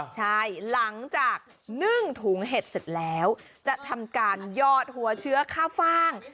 ใช่หลังจากนึ่งถุงเห็ดเสร็จแล้วจะทำการหยอดหัวเชื้อข้าวฟ่าง